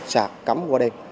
sạc cắm qua đêm